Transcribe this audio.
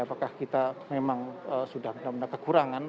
apakah kita memang sudah benar benar kekurangan